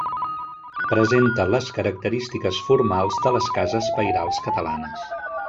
Presenta les característiques formals de les cases pairals catalanes.